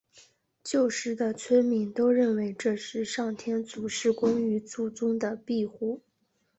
旧时的村民都认为这是上天祖师公与祖宗的庇护。